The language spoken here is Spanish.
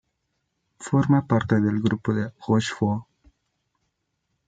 Forma parte del grupo de Rochefort.